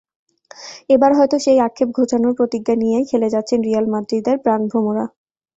এবার হয়তো সেই আক্ষেপ ঘোচানোর প্রতিজ্ঞা নিয়েই খেলে যাচ্ছেন রিয়াল মাদ্রিদের প্রাণভোমরা।